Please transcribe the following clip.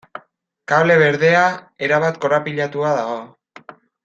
Kable berdea erabat korapilatuta dago.